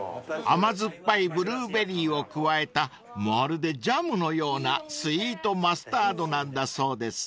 ［甘酸っぱいブルーベリーを加えたまるでジャムのようなスイートマスタードなんだそうです］